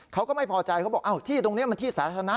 เขาก็ไม่พอใจเขาบอกอ้าวที่ตรงนี้มันที่สาธารณะ